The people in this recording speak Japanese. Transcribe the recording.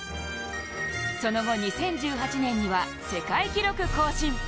その後、２０１８年には世界記録更新。